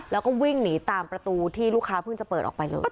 แล้วก็วิ่งหนีตามประตูที่ลูกค้าเพิ่งจะเปิดออกไปเลย